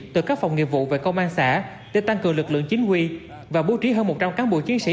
từ các phòng nghiệp vụ về công an xã để tăng cường lực lượng chính quy và bố trí hơn một trăm linh cán bộ chiến sĩ